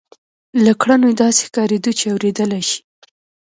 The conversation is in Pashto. له کړنو یې داسې ښکارېده چې اورېدلای شي